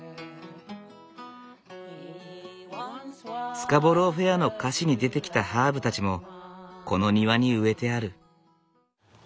「スカボロー・フェア」の歌詞に出てきたハーブたちもこの庭に植えてある。